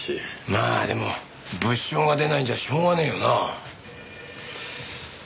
まあでも物証が出ないんじゃしょうがねえよな。